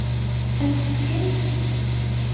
Ad m-tt-fkent?